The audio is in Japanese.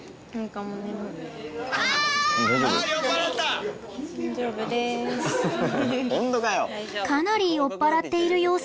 かなり酔っ払っている様子のナミさん